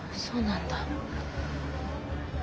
そうなんだ。